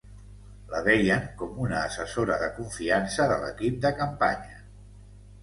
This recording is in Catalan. La veien com una assessora de confiança de l'equip de campanya.